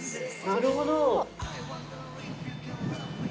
なるほど。